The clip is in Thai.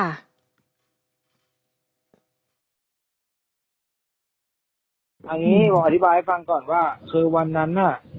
เอาอย่างนี้ผมอธิบายให้ฟังก่อนว่าคือวันนั้นน่ะ